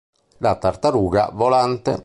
La tartaruga volante